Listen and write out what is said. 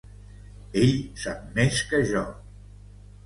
Ell sap més que jo.